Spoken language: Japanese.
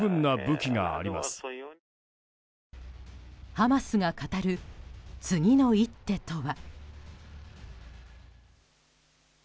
ハマスが語る次の一手とは。